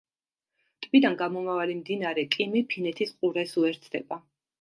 ტბიდან გამომავალი მდინარე კიმი ფინეთის ყურეს უერთდება.